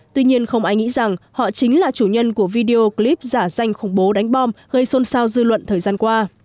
tuy nhiên không ai nghĩ rằng họ chính là chủ nhân của video clip giả danh khủng bố đánh bom gây xôn xao dư luận thời gian qua